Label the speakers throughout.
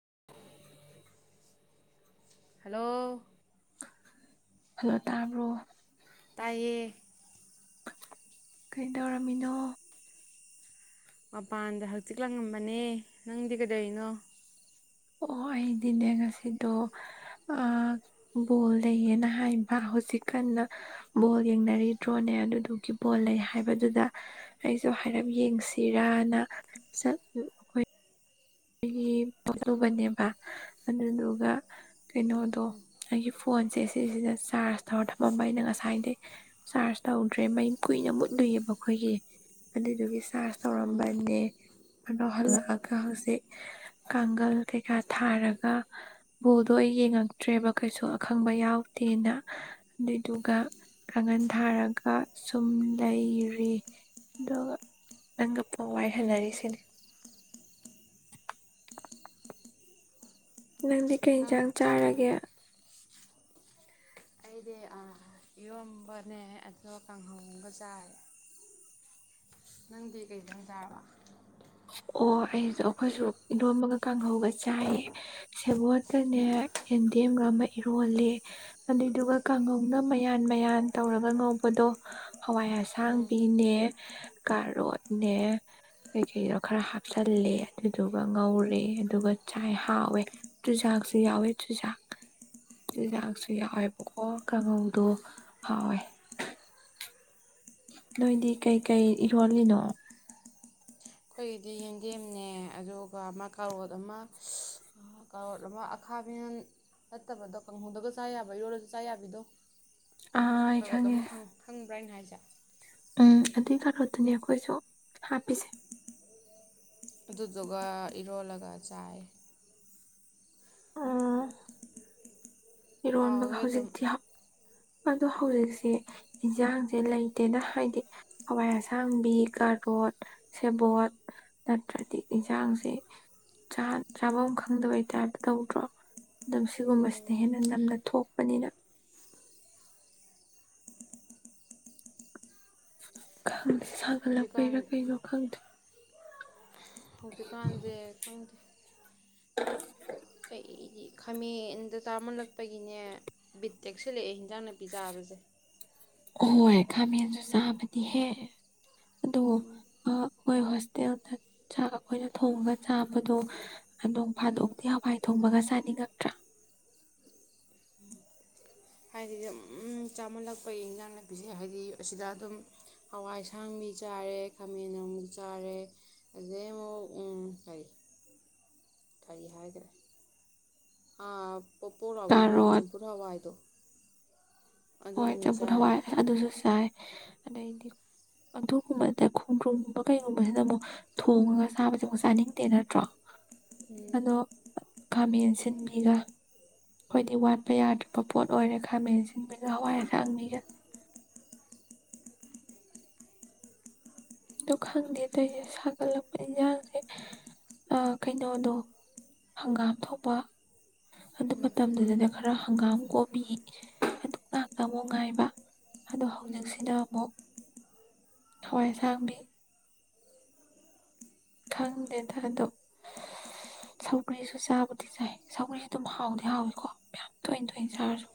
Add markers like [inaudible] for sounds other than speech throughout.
Speaker 1: [unintelligible]
Speaker 2: Hello
Speaker 1: hello ꯇꯥꯕ꯭ꯔꯣ
Speaker 2: ꯇꯌꯦ
Speaker 1: ꯀꯩꯗꯧꯔꯝꯃꯤꯅꯣ
Speaker 2: ꯃꯄꯥꯟꯗ ꯍꯆꯤꯛ ꯂꯪꯉꯝꯕꯅꯦ ꯅꯪꯗꯤ ꯀꯗꯅꯣ
Speaker 1: ꯑꯣ ꯑꯩꯗꯤꯅꯦ ꯉꯁꯤꯗꯣ ꯕꯣꯜ ꯂꯩꯌꯦꯅ ꯍꯥꯏꯕ ꯍꯧꯖꯤꯛ ꯀꯟꯅ ꯕꯣꯜ ꯌꯦꯡꯅꯔꯤꯗ꯭ꯔꯣꯅꯦ ꯑꯗꯨꯗꯨꯒꯤ ꯕꯣꯜ ꯂꯩ ꯍꯥꯏꯕꯗꯨꯗ ꯑꯩꯁꯨ ꯍꯥꯏꯔꯞ ꯌꯦꯡꯁꯤꯔꯅ ꯑꯩꯈꯣꯏ ꯑꯩꯒꯤ ꯄꯣꯠꯂꯨꯕꯅꯦꯕ ꯑꯗꯨꯗꯨꯒ ꯀꯩꯅꯣꯗꯣ ꯑꯩꯒꯤ ꯐꯣꯟꯁꯦ ꯁꯤꯁꯤꯗ ꯆꯥꯔꯖ ꯇꯧꯔ ꯊꯝꯃꯝꯕ ꯑꯩꯅ ꯉꯁꯥꯏꯗꯒꯤꯩ ꯆꯥꯔꯖ ꯇꯧꯗ꯭ꯔꯦ ꯃꯡ ꯀꯨꯏꯅ ꯃꯨꯠꯂꯨꯏꯑꯕ ꯑꯩꯈꯣꯏꯒꯤ ꯑꯗꯨꯗꯨꯒꯤ ꯆꯥꯔꯖ
Speaker 2: ꯎꯝ
Speaker 1: ꯇꯧꯔꯝꯕꯅꯦ ꯑꯗꯣ ꯍꯜꯂꯛꯑꯒ ꯍꯧꯖꯤꯛ ꯀꯥꯡꯒꯜ ꯀꯩꯀꯥ ꯊꯥꯔꯒ ꯕꯣꯗꯣ ꯌꯦꯡꯉꯛꯇ꯭ꯔꯦꯕ ꯀꯩꯁꯨ ꯑꯈꯪꯕ ꯌꯥꯎꯗꯦꯅ ꯑꯗꯨꯏꯗꯨꯒ ꯀꯥꯡꯒꯜ ꯊꯥꯔꯒ ꯁꯨꯝ ꯂꯩꯔꯤ ꯑꯗꯨꯒ ꯅꯪꯒ ꯄ ꯋꯥꯏꯍꯟꯅꯔꯤꯁꯤꯅꯤ ꯅꯪꯗꯤ ꯀꯩ
Speaker 2: ꯅꯪ
Speaker 1: ꯌꯦꯟꯁꯥꯡ
Speaker 2: ꯆꯥꯛꯀꯗꯤ
Speaker 1: ꯆꯥꯔꯒꯦ
Speaker 2: ꯑꯩꯗꯤ ꯏꯔꯣꯟꯝꯕꯅꯦ ꯑꯗꯣ ꯀꯥꯡꯍꯣꯡꯕ ꯆꯥꯔꯦ ꯅꯪꯗꯤ ꯀꯩꯗꯪ ꯆꯥꯔꯕ
Speaker 1: ꯑꯣ ꯑꯩꯁꯨ ꯑꯩꯈꯣꯏꯁꯨ ꯏꯔꯣꯟꯃꯒ ꯀꯥꯡꯍꯧꯒ ꯆꯥꯏꯌꯦ ꯁꯦꯕꯣꯠꯀꯅꯦ ꯌꯦꯟꯗꯦꯝꯒ ꯑꯃ ꯏꯔꯣꯜꯂꯦ ꯑꯗꯨꯏꯗꯨꯒ ꯀꯥꯡꯍꯧꯅ ꯃꯌꯥꯟ ꯃꯌꯥꯟ ꯇꯧꯔꯒ ꯉꯧꯕꯗꯣ ꯍꯋꯥꯏ
Speaker 2: ꯎꯝ
Speaker 1: ꯑꯁꯥꯡꯕꯤꯅꯦ ꯀꯥꯔꯣꯠꯅꯦ ꯀꯩ ꯀꯩꯗꯣ ꯈꯔ ꯍꯥꯞꯆꯤꯜꯂꯦ ꯑꯗꯨꯗꯨꯒ ꯉꯧꯔꯦ ꯑꯗꯨꯒ ꯆꯥꯏ ꯍꯥꯎꯋꯦ ꯆꯨꯖꯥꯛꯁꯨ ꯌꯥꯎꯋꯦ ꯆꯨꯖꯥꯛ ꯆꯨꯖꯥꯛꯁꯨ ꯌꯥꯎꯋꯦꯕꯀꯣ ꯀꯥꯡꯉꯧꯗꯣ ꯍꯥꯎꯋꯦ ꯅꯣꯏꯗꯤ ꯀꯩꯀꯩ ꯏꯔꯣꯜꯂꯤꯅꯣ
Speaker 2: ꯑꯩꯈꯣꯏꯒꯤꯗꯤ ꯌꯦꯟꯗꯦꯝꯅꯦ ꯑꯗꯨꯒ ꯑꯃ ꯀꯥꯔꯣꯠ ꯑꯃ ꯀꯥꯔꯣꯠ ꯑꯃ ꯑꯈꯥꯕꯤꯅ ꯐꯠꯇꯕꯗꯣ ꯀꯥꯡꯪꯍꯧꯗꯕ ꯆꯥ ꯌꯥꯕ ꯌꯣꯜꯂꯁꯨ ꯆꯥ ꯌꯥꯕꯤꯗꯣ
Speaker 1: ꯑꯩ
Speaker 2: ꯀꯂꯣꯗ
Speaker 1: ꯈꯪꯉꯦ
Speaker 2: ꯈꯪꯕ꯭ꯔꯥ ꯍꯥꯏꯅ ꯍꯥꯏꯖ ꯆ
Speaker 1: ꯎꯝ ꯑꯗꯨꯏ ꯀꯔꯣꯠꯇꯅꯦ ꯑꯩꯈꯣꯏꯁꯨ ꯍꯥꯞꯄꯤꯁꯦ
Speaker 2: ꯑꯗꯨꯗꯨꯒ ꯏꯔꯣꯜꯂꯒ ꯆꯥꯏ
Speaker 1: ꯑꯥ ꯏꯔꯣꯟꯕꯒ
Speaker 2: ꯍꯥꯎꯋꯦ ꯑꯗꯨꯝ
Speaker 1: ꯍꯧꯖꯤꯛꯇꯤ ꯑꯗꯣ ꯍꯧꯖꯤꯛꯁꯦ ꯏꯟꯁꯥꯡꯁꯦ ꯂꯩꯇꯦꯅ ꯍꯥꯏꯗꯤ ꯍꯋꯥꯏ ꯑꯁꯥꯡꯕꯤ ꯀꯥꯔꯣꯠ ꯁꯦꯕꯣꯠ ꯅꯠꯇ꯭ꯔꯗꯤ ꯏꯟꯁꯥꯡꯁꯦ ꯆꯥꯐꯝ ꯈꯪꯗꯕꯩꯇꯞ ꯇꯧꯗ꯭ꯔꯣ ꯑꯗꯨꯝ ꯁꯤꯒꯨꯝꯕꯁꯤꯅ ꯍꯦꯟꯅ ꯅꯝꯅ ꯊꯣꯛꯄꯅꯤꯅ ꯈꯪ ꯁꯥꯒꯠꯂꯛꯄꯩꯔꯥ
Speaker 2: ꯍꯧꯖꯤꯛꯀꯥꯟ
Speaker 1: ꯀꯩꯅꯣ ꯈꯪꯗꯦ
Speaker 2: ꯍꯧꯖꯤꯛꯀꯥꯟꯁꯦ ꯈꯪꯗꯦ ꯑꯩꯗꯤ ꯈꯥꯃꯦꯟꯗꯇꯥꯥꯃꯜꯂꯛꯄꯒꯤꯅꯦ ꯕꯤ ꯇꯦꯛꯁꯜꯂꯛꯑꯦ ꯌꯦꯟꯖꯥꯡ ꯅꯥꯄꯤ ꯆꯥꯕꯁꯦ
Speaker 1: ꯍꯣꯏ ꯈꯥꯃꯦꯟꯁꯨ ꯆꯥꯕꯗꯤ ꯍꯦꯛ ꯑꯗꯣ
Speaker 2: ꯎꯝ
Speaker 1: ꯑꯩꯈꯣꯏ ꯍꯣꯁꯇꯦꯜꯗ ꯆꯥꯛ ꯑꯩꯈꯣꯏꯅ ꯊꯣꯡꯉꯒ ꯆꯥꯕꯗꯣ ꯅꯣꯡ
Speaker 2: ꯎꯝ
Speaker 1: ꯐꯥꯗꯣꯛꯇꯗꯤ ꯍꯋꯥꯏ ꯊꯣꯡꯕꯒ ꯆꯥꯅꯤꯡꯉꯛꯇ꯭ꯔꯥ
Speaker 2: ꯍꯥꯏꯗꯤ ꯑꯗꯨꯝ ꯆꯥꯝꯃꯜꯂꯛꯄꯒꯤ ꯏꯟꯖꯥꯡ ꯅꯥꯄꯤꯁꯦ ꯍꯥꯏꯗꯤ ꯑꯁꯤꯗ ꯑꯗꯨꯝ ꯍꯋꯥꯏꯁꯥꯡꯕꯤ ꯆꯥꯔꯦ ꯈꯥꯃꯦꯟ ꯑꯃ ꯆꯥꯔꯦ ꯑꯗꯨꯗꯩ ꯑꯃꯨꯛ ꯀꯔꯤ ꯀꯔꯤ ꯍꯥꯏꯈ꯭ꯔꯦ ꯑꯥ ꯄꯣꯄꯣꯔꯛꯎꯕ ꯅꯣꯏ
Speaker 1: ꯀꯥꯔꯣꯠ
Speaker 2: ꯆꯆꯝ ꯄꯨꯔꯥꯋꯥꯏꯗꯣ
Speaker 1: ꯍꯣꯏ ꯆꯕꯨꯜ
Speaker 2: ꯆꯥꯏ
Speaker 1: ꯍꯋꯥꯏ ꯑꯗꯨꯁꯨ ꯆꯥꯏ ꯑꯗꯩꯗꯤ ꯑꯗꯨꯒꯨꯝꯕꯗ ꯈꯣꯡꯗ꯭ꯔꯨꯝꯒꯨꯝꯕ ꯀꯩꯒꯨꯝꯕꯁꯤꯅ ꯑꯃꯨꯛ ꯊꯣꯡꯉꯒ ꯁꯥꯕꯁꯦ ꯑꯃꯨꯛ ꯆꯥꯅꯤꯡꯗꯦ ꯅꯠꯇ꯭ꯔꯣ
Speaker 2: ꯎꯝ
Speaker 1: ꯑꯗꯣ ꯈꯥꯃꯦꯟ ꯁꯤꯟꯕꯤꯒ ꯑꯩꯣꯏꯗꯤ ꯋꯥꯠꯄ ꯌꯥꯗ꯭ꯔꯕ ꯄꯣꯠ ꯑꯣꯏꯔꯦ ꯈꯥꯃꯦꯟ ꯁꯤꯟꯕꯅ ꯍꯋꯥꯏꯁꯥꯡꯅꯤꯒ ꯑꯣ ꯈꯪꯗꯦ ꯇꯣꯏꯁꯦ ꯁꯥꯒꯠꯂꯛꯄ ꯏꯟꯁꯥꯡꯁꯦ ꯀꯩꯅꯣꯗꯣ ꯍꯪꯒꯥꯝ ꯊꯣꯛꯄ ꯑꯗꯨ ꯃꯇꯝꯗꯨꯗꯗ ꯈꯔ ꯍꯪꯒꯥꯝ ꯀꯣꯕꯤ ꯑꯗꯨ ꯉꯥꯛꯇ ꯑꯃꯨꯛ ꯉꯥꯏꯕ ꯑꯗꯣ ꯍꯧꯖꯤꯛꯁꯤꯗ ꯑꯃꯨꯛ ꯍꯋꯥꯏꯁꯥꯡꯕꯤ ꯈꯪꯗꯦꯗ ꯑꯗꯣ ꯁꯧꯒ꯭ꯔꯤꯁꯨ ꯆꯥꯕꯨꯗꯤ ꯆꯥꯏ ꯁꯧꯒ꯭ꯔꯤꯁꯨ ꯑꯗꯨꯝ ꯍꯥꯎꯗꯤ ꯍꯥꯎꯏꯀꯣ ꯃꯌꯥꯝ ꯇꯣꯏꯅ ꯇꯣꯏꯅ ꯆꯥꯔꯁꯨ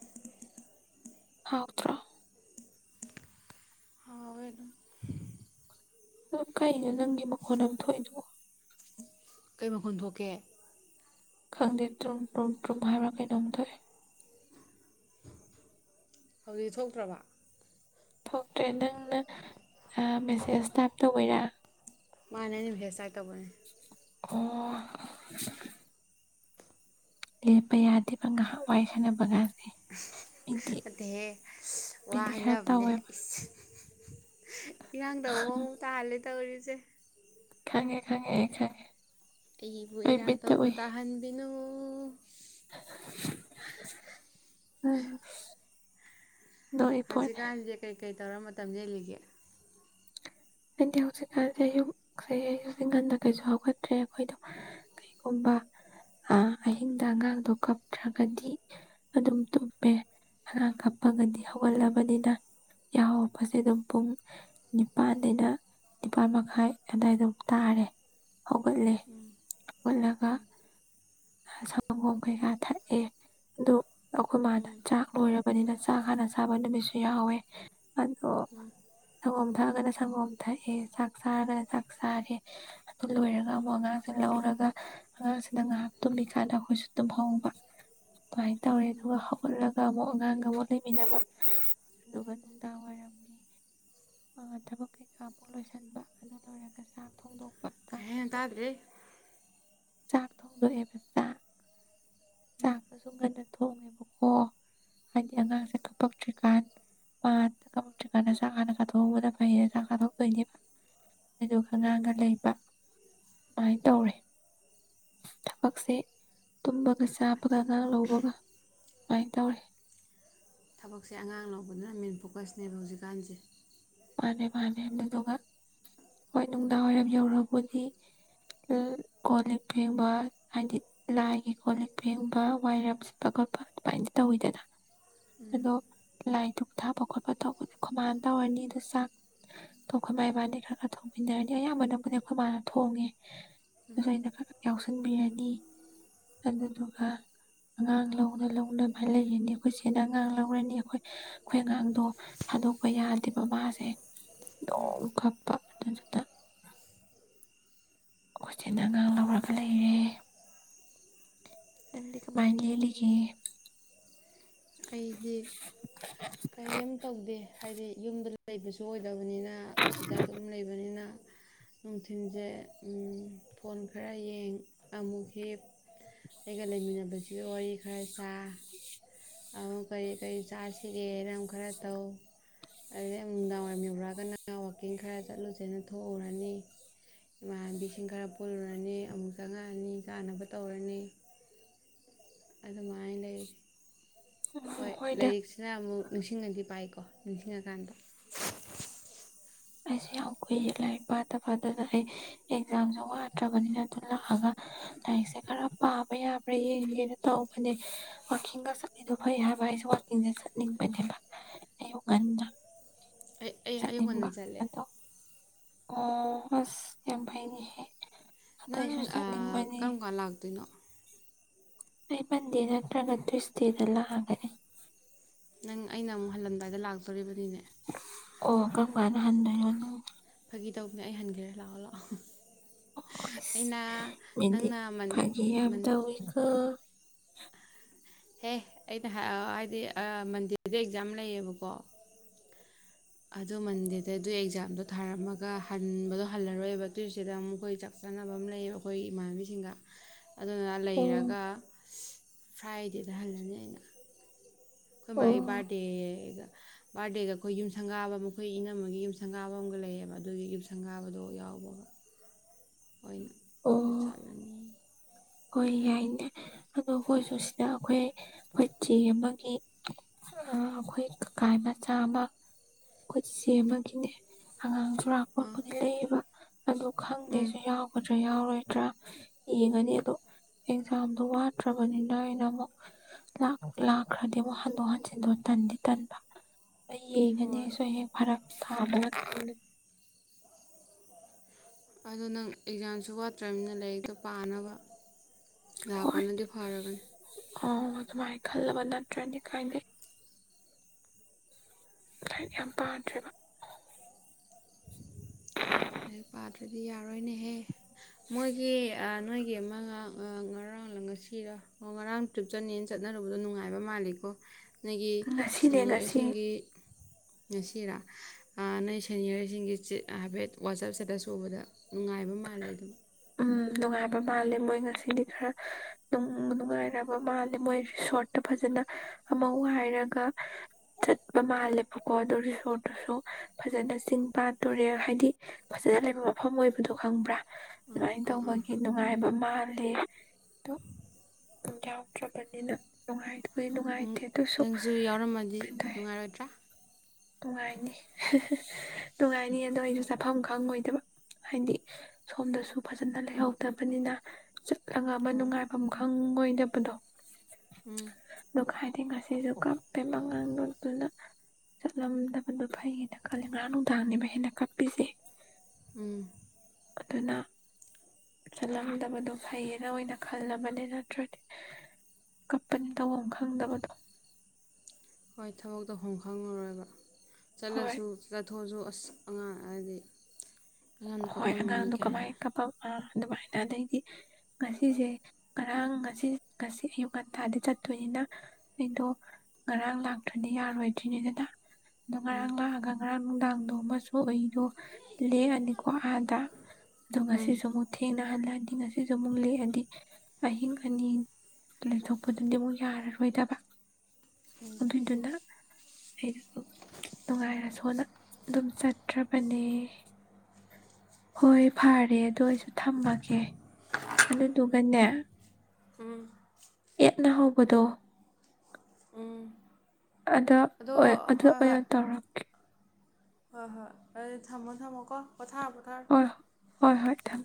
Speaker 1: ꯍꯥꯎꯇ꯭ꯔꯣ
Speaker 2: ꯍꯥꯎꯋꯦ ꯑꯗꯨꯝ
Speaker 1: ꯑꯗꯨ ꯀꯩꯅꯣ ꯅꯪꯒꯤ ꯃꯈꯣꯟ ꯑ ꯊꯣꯛꯣꯏꯏꯗꯑꯣ
Speaker 2: ꯀꯩ ꯃꯈꯟ ꯊꯣꯛꯀꯦ
Speaker 1: ꯈꯪꯗꯦ ꯇꯨꯝ ꯇꯨꯝ ꯇ꯭ꯔꯨꯝ ꯍꯥꯏꯕ꯭ꯔꯥ ꯀꯩꯅꯣꯝ ꯊꯣꯛꯑꯦ
Speaker 2: ꯍꯧꯖꯤꯛ ꯊꯣꯛꯇ꯭ꯔꯕ
Speaker 1: ꯊꯣꯛꯇ꯭ꯔꯦ ꯅꯪꯅ ꯃꯦꯁꯦꯁ ꯇꯥꯏꯞ ꯇꯧꯕꯩꯔꯥ
Speaker 2: ꯃꯥꯅꯦꯅꯤ ꯍꯦꯁꯦ ꯇꯃꯣꯏ
Speaker 1: ꯑꯣ ꯂꯦꯞꯄ ꯌꯥꯗꯦꯕ ꯉꯥꯏꯍꯥꯛ ꯋꯥꯏ ꯁꯥꯟꯅꯕꯒꯥꯁꯦ
Speaker 2: ꯑꯠꯇꯦ ꯋꯥ
Speaker 1: ꯈꯔ
Speaker 2: ꯍꯥꯏꯅꯕꯅꯦ
Speaker 1: ꯇꯧꯋꯦꯕ
Speaker 2: ꯏꯔꯥꯡꯗ ꯑ ꯇꯥꯍꯜꯂꯦ ꯇꯧ ꯑꯣꯏꯔꯤꯁꯦ
Speaker 1: ꯈꯪꯉꯦ ꯈꯪꯉꯦ ꯑꯩ ꯈꯪꯉꯦ
Speaker 2: ꯑꯩꯕꯨ
Speaker 1: ꯑꯩ
Speaker 2: ꯏꯔꯥꯡ
Speaker 1: ꯕꯤꯠꯇ
Speaker 2: ꯇꯧꯕ
Speaker 1: ꯎꯏ
Speaker 2: ꯇꯥꯍꯟꯕꯤꯅꯨ
Speaker 1: ꯑ
Speaker 2: ꯍꯧꯖꯤꯛꯀꯥꯟꯦ ꯀꯩ ꯀꯩ ꯀꯩ ꯇꯧꯔ ꯃꯇꯝ ꯌꯜꯂꯤꯒꯦ
Speaker 1: ꯍꯥꯏꯗꯤ ꯍꯧꯖꯤꯛꯀꯥꯟꯁꯦ ꯑꯌꯨꯛꯁ ꯑꯌꯨꯛ ꯤꯡꯒꯟꯗ ꯀꯩꯁꯨ ꯍꯧꯒꯠꯇ꯭ꯔꯦ ꯑꯩꯈꯣꯏꯗꯣ ꯀꯩꯒꯨꯝꯕ ꯑꯍꯤꯡꯗ ꯑꯉꯥꯡꯗꯣ ꯀꯞꯇ꯭ꯔꯒꯗꯤ ꯑꯗꯨꯝ ꯇꯨꯝꯄꯦ ꯑꯉꯥꯡ ꯀꯞꯄꯒꯗꯤ
Speaker 2: ꯎꯝ
Speaker 1: ꯍꯧꯒꯠꯂꯕꯅꯤꯅ ꯌꯥꯎꯔꯄꯁꯦ ꯑꯗꯨꯝ ꯄꯨꯡ ꯅꯤꯄꯥꯜ ꯑꯩꯅ ꯅꯤꯄꯥꯜ ꯃꯈꯥꯏ ꯑꯗꯨꯗꯥꯋꯥꯏ ꯑꯗꯨꯝ ꯇꯥꯔꯦ ꯍꯧꯒꯠꯂꯦ ꯍꯧꯒꯠꯂꯒ ꯁꯪꯒꯣꯝ ꯀꯩꯀꯥ ꯊꯛꯑꯦ ꯑꯗꯨ ꯑꯩꯈꯣꯏ ꯃꯥꯅ ꯆꯥꯛ ꯂꯣꯏꯔꯕꯅꯤꯅ ꯆꯥꯛ ꯍꯥꯟꯅ ꯆꯥꯕ ꯅꯨꯃꯤꯠꯁꯨ ꯌꯥꯎꯋꯦ ꯑꯗꯣ ꯁꯪꯒꯣꯝ ꯊꯛꯑꯒꯅ ꯁꯪꯒꯣꯝ ꯊꯛꯑꯦ ꯆꯥꯛ ꯆꯥꯔꯒꯅ ꯆꯥꯛ ꯆꯥꯔꯦ ꯑꯗꯨ ꯂꯣꯏꯔꯒ ꯑꯃꯨꯛ ꯑꯉꯥꯡꯁꯦ ꯂꯧꯔꯒ ꯑꯉꯥꯡꯁꯤꯗ ꯉꯥꯏꯍꯥꯛ ꯇꯨꯝꯃꯤꯀꯥꯟꯗ ꯑꯩꯈꯣꯏꯁꯨ ꯇꯨꯝꯍꯧꯕ ꯑꯗꯨꯃꯥꯏꯅ ꯇꯧꯔꯦ ꯑꯗꯨꯒ ꯍꯧꯒꯠꯂꯒ ꯑꯃꯨꯛ ꯑꯉꯥꯡꯒ ꯑꯃꯨꯛ ꯂꯩꯃꯤꯟꯅꯕ ꯑꯗꯨꯒ ꯅꯨꯡꯗꯥꯡ ꯋꯥꯏꯔꯝꯒꯤ ꯊꯕꯛ ꯀꯩꯀꯥ ꯑꯃꯨꯛ ꯂꯣꯏꯁꯤꯟꯕ ꯑꯗꯨ ꯂꯣꯏꯔꯒ ꯆꯥꯛ ꯊꯣꯡꯗꯣꯛ
Speaker 2: ꯍ ꯇꯗ꯭ꯔꯔꯤ
Speaker 1: ꯆꯥꯛ ꯊꯧꯗꯑꯦꯕ ꯆꯒꯁꯨꯒꯅ ꯀꯥꯞꯊꯣꯡꯉꯦꯕꯀꯣ ꯍꯥꯏꯗꯤ ꯑꯉꯥꯡꯁꯦ ꯀꯞꯄꯛꯇ꯭ꯔꯤꯀꯥꯟ ꯃꯥꯗ ꯀꯞꯄꯛꯇ꯭ꯔꯤꯀꯥꯟꯗ ꯆꯥꯛ ꯍꯥꯟꯅ ꯀꯥꯊꯣꯛꯎꯕꯅ ꯐꯩꯌꯦꯅ ꯆꯥꯛ ꯀꯥꯊꯣꯛꯇꯣꯏꯅꯦꯕ ꯑꯗꯨꯒ ꯑꯉꯥꯡꯒ ꯂꯩꯕ ꯑꯗꯨꯃꯥꯏꯅ ꯇꯧꯔꯦ ꯊꯕꯛꯁꯦ ꯇꯨꯝꯕꯒ ꯆꯥꯕꯒ ꯉꯥꯡ ꯂꯧꯕꯒ ꯁꯃꯥꯏꯅ ꯇꯧꯔꯦ
Speaker 2: ꯊꯕꯛꯁꯦ ꯑꯉꯥꯡ ꯂꯧꯕꯗꯨꯅ ꯃꯦꯟ ꯐꯣꯀꯁꯅꯦꯕ ꯍꯧꯖꯤꯛꯀꯥꯟꯁꯦ
Speaker 1: ꯃꯥꯅꯦ ꯃꯥꯅꯦ ꯑꯗꯨꯗꯨꯒ ꯍꯣꯏ ꯅꯨꯡꯗꯥꯡ ꯋꯥꯏꯔꯝ ꯌꯧꯔꯕꯨꯗꯤ ꯀꯣꯜ ꯂꯤꯛ ꯐꯦꯡꯕ ꯍꯥꯏꯗꯤ ꯂꯥꯏꯒꯤ ꯀꯣꯜ ꯂꯤꯛ ꯐꯦꯡꯕ ꯋꯥꯏꯔꯝ ꯁꯤꯠꯄ ꯈꯣꯠꯄ ꯑꯗꯨꯃꯥꯏꯅꯗꯤ ꯇꯧꯋꯤꯗꯅ ꯑꯗꯣ ꯂꯥꯏ ꯗꯨꯛ ꯊꯥꯕ ꯈꯣꯠꯄ ꯇꯧꯕꯗꯣ ꯈꯨꯃꯥꯟ ꯇꯧꯔꯅꯤꯗ ꯑ ꯆꯥꯛ ꯊꯈ ꯃ ꯏꯕꯥꯅꯤ ꯈꯔ ꯈꯔ ꯊꯣꯡꯃꯤꯟꯅꯔꯅꯤ ꯑꯌꯥꯝꯕꯅꯕꯨꯗꯤ ꯑꯩꯈꯣꯏ ꯃꯥꯅ ꯊꯣꯡꯉꯦ ꯑꯗꯨꯁꯨ ꯑꯩꯅ ꯈꯔ ꯈꯔ ꯌꯥꯎꯁꯟꯕꯤꯔꯅꯤ ꯑꯗꯨꯗꯨꯒ ꯑꯉꯥꯡ ꯂꯧꯅ ꯂꯧꯅꯅꯕꯥꯏꯅ ꯂꯩꯔꯅꯤ ꯑꯩꯈꯣꯏ ꯆꯦꯅ ꯑꯉꯥꯡ ꯂꯧꯔꯅꯤ ꯑꯩꯈꯣꯏ ꯑꯩꯈꯣꯏ ꯑꯉꯥꯡꯗꯣ ꯊꯥꯗꯣꯛꯄ ꯌꯥꯗꯦ ꯃꯁꯦ ꯗꯣꯡ ꯈ ꯄꯥꯂꯗ ꯆꯗ ꯀꯣꯏꯆ ꯑꯉꯥꯡ ꯂꯧꯔꯒ ꯂꯩꯔꯦ ꯇꯪꯗꯗꯤ ꯀꯃꯥꯏ ꯂꯩ ꯂꯩꯒꯦ
Speaker 2: ꯑꯩꯗꯤ ꯀꯔꯤꯝ ꯇꯧꯗꯦ ꯍꯥꯏꯗꯤ ꯌꯨꯝꯗ ꯂꯩ ꯁꯨ [unintelligible] ꯂꯕꯅꯤꯅ ꯑꯁꯤꯗ ꯑꯗꯨꯝ ꯂꯩꯕꯅꯤꯅ ꯅꯨꯡꯊꯤꯜꯁꯦ ꯐꯣꯟ ꯈꯔ ꯌꯦꯡ ꯑꯃꯨꯛ ꯍ ꯑꯩꯒ ꯂꯩꯃꯤꯟꯅꯕꯁꯤꯒ ꯋꯥꯔꯤ ꯈꯔꯁ ꯑꯃꯨꯛ ꯀꯔꯤ ꯀꯔꯤ ꯆꯥꯁꯤꯒꯦꯅ ꯑꯃꯨꯛ ꯈꯔ ꯇꯧ ꯑꯗꯨꯗꯩꯨ ꯅꯨꯡꯗꯥꯡ ꯋꯥꯏꯔꯝ ꯌꯧꯔꯛꯑꯒꯅ ꯋꯥꯛꯀꯤꯡ ꯈꯔ ꯆꯠꯂꯨꯁꯦꯅ ꯊꯣꯛꯎꯔꯅꯤ ꯏꯃꯥꯟꯅꯕꯤꯁꯤꯡ ꯈꯔ ꯄꯨꯜꯂꯨꯔꯅꯤ ꯑꯃꯨꯛ ꯆꯪꯉꯛꯑꯅꯤ ꯆꯥꯅꯕ ꯇꯧꯔꯅꯤ ꯑꯗꯨ ꯃꯥꯏ ꯂꯩꯔꯤ ꯍꯣꯏ
Speaker 1: ꯍꯣꯏꯗ
Speaker 2: ꯂꯥꯏꯔꯤꯛꯁꯤꯅ ꯑꯃꯨꯛ ꯅꯤꯡꯁꯤꯡꯉꯗꯤ ꯄꯥꯏꯀꯣ ꯃꯤ ꯀꯥꯟꯗ
Speaker 1: ꯑꯩꯁꯨ ꯌꯥꯝ ꯀꯨꯏꯔ ꯂꯥꯏꯔꯤꯛ ꯄꯥꯠꯇꯕ ꯑꯗꯨꯅ ꯑꯩ ꯑꯦꯛꯖꯥꯝꯁꯨ ꯋꯥꯠꯇ꯭ꯔꯕꯅꯤꯅ ꯑꯗꯨ ꯂꯥꯛꯑꯒ ꯂꯥꯏꯔꯤꯛꯁꯦ ꯈꯔ ꯄꯥꯕ ꯌꯥꯕ꯭ꯔꯥ ꯌꯦꯡꯒꯦꯅ ꯇꯧꯕꯅꯦ ꯋꯥꯋꯥꯛꯀꯤꯡꯒ ꯆꯠꯂꯤꯗꯣ ꯐꯩ ꯍꯥꯏꯕ ꯑꯩꯁꯦ ꯋꯥꯛꯀꯤꯡꯁꯦ ꯆꯠꯅꯤꯡꯕꯅꯦꯕ ꯑꯌꯨ ꯉꯟꯅ
Speaker 2: ꯑꯩ ꯑꯩ ꯑꯩꯌꯨ ꯍꯟꯅ
Speaker 1: ꯆꯠꯅꯤꯡꯕ
Speaker 2: ꯆꯠꯂꯦ
Speaker 1: ꯑꯗꯣ ꯑꯣ ꯍꯁ ꯌꯥꯝ ꯐꯥꯏꯅꯤ ꯍꯦ
Speaker 2: ꯅꯪ ꯀꯔꯝ ꯀꯥꯟ ꯂꯥꯛꯇꯣꯏꯅꯣ
Speaker 1: ꯑꯩꯃꯟꯦꯅ ꯅꯠꯇꯒꯠꯇ ꯏꯁꯗꯗꯂ ꯍꯥꯏꯅꯤ
Speaker 2: ꯅꯪ ꯑꯩꯅ ꯑꯃꯨꯛ ꯍꯜꯂꯝꯟꯗꯥꯏꯗ ꯂꯥꯛꯇꯣꯔꯤꯕꯅꯤꯅꯦ
Speaker 1: ꯑꯣ ꯀꯧ ꯀꯥꯟꯅ ꯍꯟꯗꯣꯏꯅꯣꯅꯨ
Speaker 2: ꯑꯗꯨꯒꯤ ꯇꯧꯕꯅꯦ ꯑꯩ ꯍꯟꯈ꯭ꯔꯦ ꯂꯥꯛꯑꯣ ꯂꯥꯛꯑꯣ
Speaker 1: ꯍ
Speaker 2: ꯑꯩꯅ
Speaker 1: ꯃꯤꯗꯤ
Speaker 2: ꯅꯪꯅ ꯃꯟ
Speaker 1: ꯐꯒꯦ ꯌꯥꯝ
Speaker 2: ꯃꯟ
Speaker 1: ꯇꯋꯤꯈ [unintelligible]
Speaker 2: ꯍꯦ ꯑꯩꯅ ꯍꯥꯏꯗꯤ ꯃꯟꯗꯦꯗ ꯑꯦꯛꯖꯥꯝ ꯂꯩꯌꯦꯕꯀꯣ ꯑꯗꯨ ꯃꯟꯗꯦꯗ ꯑꯗꯨ ꯑꯦꯛꯖꯥꯝꯗꯣ ꯊꯥꯔꯝꯃꯒ ꯍꯟꯕꯗꯣ ꯍꯜꯂꯔꯣꯏꯕ ꯇ꯭ꯋꯁꯗꯦꯗ ꯑꯃꯨꯛ ꯑꯩꯈꯣꯏ ꯆꯥꯛ ꯆꯥꯅꯕ ꯑꯃ ꯂꯩꯌꯦꯕ ꯑꯩꯈꯣꯏ ꯏꯃꯥꯟꯅꯕꯤꯁꯤꯡꯒ ꯑꯗꯨꯅ
Speaker 1: ꯑꯣ
Speaker 2: ꯂꯩꯔꯒ ꯐ꯭ꯔꯥꯏꯗꯦꯗ ꯍꯜꯂꯅꯤ ꯑꯩꯅ꯫ ꯑꯈꯣꯏ
Speaker 1: ꯑꯣ
Speaker 2: ꯃꯥꯒꯤ ꯕꯥꯔꯗꯦꯗ ꯕꯥꯔꯗꯦꯒ ꯑꯈꯣꯏ ꯌꯨꯝꯁꯪꯒꯥꯕ ꯃꯈꯣꯏ ꯏꯅꯝꯃꯒꯤ ꯌꯨꯝꯁꯪꯒꯥꯕ ꯑꯃꯒ ꯂꯩꯌꯦꯕ ꯑꯗꯨꯒꯤ ꯌꯨꯝꯁꯪꯒꯥꯕꯗꯣ ꯌꯥꯎꯕꯒ꯫
Speaker 1: ꯑꯣ
Speaker 2: [inaudible]
Speaker 1: ꯍꯣꯏ ꯌꯥꯏꯅꯦ ꯑꯗꯣ ꯑꯩꯈꯣꯏꯁꯨ ꯁꯤꯗ ꯑꯩꯈꯣꯏ ꯑꯩꯈꯣꯏ ꯆꯦ ꯑꯃꯒꯤ ꯑꯈꯣꯏ ꯀꯀꯥ ꯃꯆꯥ ꯑꯃ ꯑꯈꯣꯏ ꯆꯦꯆꯦ ꯑꯃꯒꯤꯅꯦ ꯑꯉꯥꯡ
Speaker 2: ꯑꯥ
Speaker 1: ꯨꯔꯛꯄꯕꯨꯗꯤ ꯂꯩꯌꯦꯕ ꯑꯗꯨ
Speaker 2: ꯎꯝ
Speaker 1: ꯈꯪꯗꯦꯁꯨ ꯌꯥꯎꯒꯗ꯭ꯔꯥ ꯌꯥꯎꯔ ꯔꫭꯏꯗ꯭ꯔꯥ ꯌꯦꯡꯑꯅꯤ ꯑꯗꯣ ꯑꯦꯛꯖꯥꯝꯗꯨ ꯋꯥꯠꯇ꯭ꯔꯕꯅꯤꯅ ꯑꯩꯅ ꯑꯃꯨꯛ ꯂꯥꯛ ꯂꯥꯛꯈ꯭ꯔꯗꯤ ꯑꯃꯨꯛ ꯍꯟꯗꯣꯛ ꯍꯟꯖꯤꯟꯗꯣ ꯇꯟꯗꯤ ꯇꯟꯕ꯫ ꯑꯩ ꯌꯦꯡꯒꯅꯤ
Speaker 2: ꯍꯣꯏ
Speaker 1: ꯁꯣꯏ ꯍꯦꯛ ꯐꯔꯛ ꯊꯥꯕ
Speaker 2: ꯑꯗꯣ ꯅꯪ ꯑꯦꯛꯖꯥꯝꯁꯨ ꯋꯥꯠꯇ꯭ꯔꯝꯅꯤꯅ ꯂꯥꯏꯔꯤꯛꯇꯣ ꯄꯥꯅꯕ
Speaker 1: ꯍꯣꯏ
Speaker 2: ꯂꯥꯛꯄꯅꯗꯤ ꯐꯔꯕꯅꯤ꯫
Speaker 1: ꯑꯣ ꯑꯗꯨꯃꯥꯏꯅ ꯈꯜꯂꯕ ꯅꯠꯇ꯭ꯔꯗꯤ ꯀꯥꯏꯗꯦ꯫ ꯂꯥꯏꯔꯤꯛ ꯌꯥꯝ ꯄꯥꯗ꯭ꯔꯦꯕ꯫
Speaker 2: ꯂꯩꯔꯤꯛ ꯄꯥꯗ꯭ꯔꯗꯤ ꯌꯥ ꯔꯣꯏꯅꯦꯍꯦ ꯃꯣꯏꯒꯤ ꯑ ꯅꯣꯏꯒꯤ ꯑꯃ ꯉꯥꯡ ꯉꯔꯥꯡ ꯂ ꯉꯁꯤꯔ ꯉꯔꯥꯡ ꯇ꯭ꯔꯤꯞ ꯆꯠꯅꯦꯅ ꯆꯠꯅꯔꯨꯕꯗꯣ ꯅꯨꯡꯉꯥꯏꯕ ꯃꯥꯜꯂꯤꯀꯣ ꯅꫭꯏꯒꯤ
Speaker 1: ꯉꯁꯤꯅꯦ ꯉꯁꯤ
Speaker 2: ꯁꯦꯅꯤꯌꯔꯁꯤꯡꯒꯤ ꯉꯁꯤꯔꯥ ꯑꯥ ꯅꯣꯏ ꯁꯦꯅꯤꯌꯔꯁꯤꯡꯒꯤ ꯆꯤꯠ ꯍꯥꯏꯐꯦꯠ ꯋꯥꯆꯞ ꯁꯇꯦꯇꯁ ꯎꯕꯗ ꯅꯨꯡꯉꯥꯏꯕ ꯃꯥꯜꯂꯦ ꯑꯗꯨꯝ꯫
Speaker 1: ꯎꯝ ꯅꯨꯡꯉꯥꯏꯕ ꯃꯥꯜꯂꯦ ꯃꯣꯏ ꯉꯁꯤꯗꯤ ꯈꯔ ꯅꯨꯡꯕꯨ ꯅꯨꯡꯉꯥꯏꯔꯕ ꯃꯥꯜꯂꯦ ꯃꯣꯏ ꯔꯤꯁꯣꯔꯠꯇ ꯐꯖꯅ ꯑꯃ ꯋꯥꯏꯔꯒ ꯆꯠꯄ ꯃꯥꯜꯂꯦꯕꯀꯣ ꯑꯗꯨ ꯔꯤꯁꯣꯔꯠꯇꯨꯁꯨ ꯐꯖꯅ ꯆꯤꯡ ꯄꯥꯠ ꯇꯨꯔꯦꯜ ꯍꯥꯏꯗꯤ ꯐꯖꯅ ꯂꯩꯕ ꯃꯐꯝ ꯑꯣꯏ ꯑꯗꯨ ꯈꯪꯕ꯭ꯔꯥ
Speaker 2: ꯑꯥ
Speaker 1: ꯑꯗꯨꯃꯥꯏꯅ
Speaker 2: ꯑꯥ ꯑꯥ
Speaker 1: ꯇꯧꯕꯒꯤ ꯅꯨꯡꯉꯥꯏꯕ ꯃꯥꯜꯂꯦ ꯑꯗꯣ ꯑꯗꯨꯝ ꯌꯥꯎꯗ꯭ꯔꯕꯅꯤꯅ ꯅꯨꯡꯉꯥꯏꯕꯨꯗꯤ ꯅꯨꯡꯉꯥꯏ꯫
Speaker 2: ꯅꯪ ꯅꯪꯁꯨ ꯌꯥꯎꯔꯝꯃꯡꯑꯗꯤ ꯅꯨꯡꯉꯥꯏꯔꯣꯏꯗ꯭ꯔꯥ꯫
Speaker 1: ꯅꯨꯡꯉꯥꯏꯅꯤ ꯍꯍ ꯅꯨꯡꯉꯥꯏꯅꯤ ꯑꯗꯨꯣ ꯑꯩꯁꯨ ꯆꯠ ꯃꯐꯝ ꯈꯪꯉꯣꯏꯗꯕ ꯍꯥꯏꯗꯤ ꯁꯣꯝꯗꯁꯨ ꯐꯖꯅ ꯂꯩꯍꯧꯗꯕꯅꯤꯅ ꯂꯪꯉꯥꯃ
Speaker 2: ꯍꯣꯏ
Speaker 1: ꯅꯨꯡꯉꯥꯏꯐꯝ ꯈꯪ ꯑꯣꯏꯗꯕꯗꯣ
Speaker 2: ꯎꯝ
Speaker 1: ꯗꯨ ꯈꯥꯏꯗꯤ ꯉꯁ ꯁꯤꯁꯨ ꯀꯥꯞꯄꯦ ꯃꯉꯜꯕꯗꯨꯅ ꯆꯠꯂꯝꯗꯕꯅ ꯐꯩꯌꯦꯅ ꯈꯜꯂꯦ ꯉꯔꯥꯡ ꯅꯨꯡꯗꯥꯡꯅꯦꯕ ꯍꯦꯟꯅ ꯀꯞꯏꯁꯦ꯫
Speaker 2: ꯎꯝ
Speaker 1: ꯆꯠꯂꯝꯗꯕꯗꯣ ꯐꯩꯌꯦꯅ ꯑꯣꯏꯅ ꯈꯜꯂꯕꯅꯦ ꯅꯠꯇ꯭ꯔꯗꯤ ꯀꯞꯄꯅꯤ ꯇꯧꯐꯝ ꯈꯪꯗꯕꯗꯣ꯫
Speaker 2: ꯍꯣꯏ ꯊꯕꯛꯇꯐꯝ ꯈꯪꯉꯔꯣꯏꯕ
Speaker 1: ꯍꯣꯏ
Speaker 2: ꯆꯂꯁꯨ ꯊꯣꯑꯁꯨ ꯑꯁ ꯑꯉꯥꯡ ꯍꯥꯏꯗꯤ ꯑꯉꯥꯡ
Speaker 1: ꯍꯣꯏ
Speaker 2: ꯀꯞꯄꯝꯃꯅꯤ
Speaker 1: ꯑꯉꯥꯡꯗꯣ ꯀꯃꯥꯏ
Speaker 2: ꯀꯥꯏꯅ
Speaker 1: ꯀꯄ ꯑꯗꯨꯃꯥꯏꯅ ꯑꯗꯩꯗꯤ ꯉꯁꯤꯁꯦ ꯉꯔꯥꯡ ꯉꯁꯤ ꯉꯁꯤ ꯑꯌꯨꯛ ꯉꯟꯇꯥꯗꯤ ꯆꯠꯇꯣꯏꯅꯤꯅ ꯑꯩꯗꯣ ꯉꯔꯥꯡ ꯂꯥꯛꯇ꯭ꯔꯗꯤ ꯌꯥꯔꯣꯏꯗ꯭ꯔꯤꯅꯤꯗꯅ ꯑꯗꯨ
Speaker 2: ꯎꯝ
Speaker 1: ꯉꯔꯥꯡ ꯂꯒꯥꯡ ꯉꯔꯥꯡ ꯅꯨꯡꯗꯥꯡꯗꯣ ꯑꯃꯁꯨ ꯑꯩꯗꯣ ꯂꯦꯡꯑꯅꯤ ꯀꯣ ꯑꯗ ꯑꯗꯨꯒ ꯉꯁꯤ
Speaker 2: ꯎꯝ
Speaker 1: ꯁꯃꯨ ꯊ ꯊꯦꯡꯅꯍꯜꯂꯛꯑꯗꯤ ꯉꯁꯤꯁꯨ ꯑꯃꯨꯛ ꯂꯦꯛꯑꯗꯤ ꯑꯍꯤꯡ ꯑꯅꯤ ꯂꯩꯊꯣꯛꯄꯗꯨꯗꯤ ꯑꯃꯨꯛ ꯌꯥꯔꯔꯣꯏꯗꯕ ꯑꯗꯨꯏꯗꯨꯅ ꯑꯩꯩꯅꯝ ꯅꯨꯡꯉꯥꯏꯔꯁꯨꯅ ꯑꯗꯨꯝ ꯆꯠꯇ꯭ꯔꯕꯅꯦ ꯍꯣꯏ ꯐꯔꯦ ꯑꯗꯨ ꯑꯩꯁꯨ ꯊꯝꯃꯒꯦ ꯑꯗꯨꯗꯨꯒꯅꯦ ꯌꯦꯠꯅ ꯍꯧꯕꯗꯣ ꯑꯗ
Speaker 2: ꯑꯗꯣ
Speaker 1: ꯍꯣꯏ ꯑꯗꯨ
Speaker 2: ꯍꯣꯏ
Speaker 1: ꯑꯣꯏꯅ ꯇꯧꯔꯒꯦ
Speaker 2: ꯑꯩ ꯊꯝꯃꯣ ꯊꯝꯃꯣ ꯀꯣ ꯄꯣꯊꯔꯣ ꯄꯣꯊꯥꯔꯣ
Speaker 1: ꯍꯣꯏ ꯍꯣꯏ ꯍꯣꯏ ꯊꯝꯃꯦ
Speaker 2: ꯎꯝ